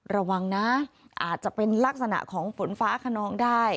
ระวังนะอาจจะเป็นลักษณะของฝนฟ้าขนองได้